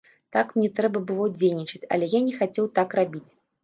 Так мне трэба было дзейнічаць, але я не хацеў так рабіць.